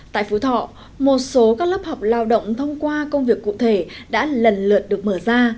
tại phú thọ một số các lớp học lao động thông qua công việc cụ thể đã lần lượt được mở ra